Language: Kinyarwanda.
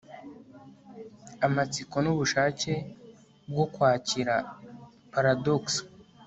amatsiko nubushake bwo kwakira paradox